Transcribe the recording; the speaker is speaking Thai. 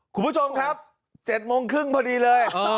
คุณผู้ชมครับ๗โมงครึ่งพอดีเลย